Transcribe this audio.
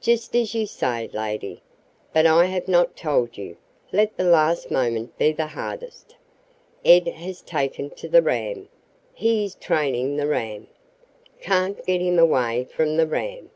"Just as you say, lady. But I have not told you let the last moment be the hardest. Ed has taken to the ram. He is training the ram. Can't get him away from the ram.